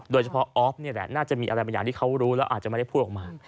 โดยเฉพาะออฟนี่แหละน่าจะมีอะไรบางอย่างที่เขารู้แล้วอาจจะไม่ได้พูดออกมา